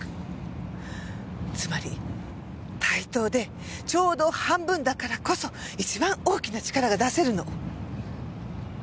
つまり対等でちょうど半分だからこそ一番大きな力が出せるの。